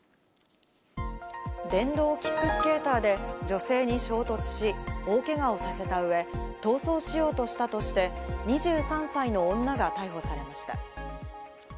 電動キックスケーターで女性に衝突し、大けがをさせた上、逃走しようとしたとして、２３歳の女が逮捕されました。